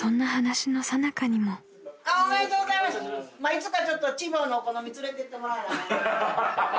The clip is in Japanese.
いつかちょっと千房のお好み連れてってもらわな。